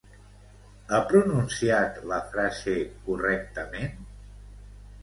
Ha pronunciat la frase correctament?